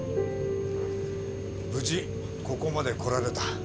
無事ここまで来られた。